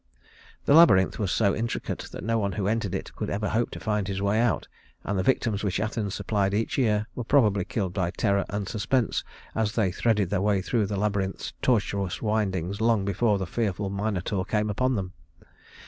The labyrinth was so intricate that no one who entered it could ever hope to find his way out; and the victims which Athens supplied each year were probably killed by terror and suspense as they threaded their way through the labyrinth's tortuous windings, long before the fearful Minotaur came upon them.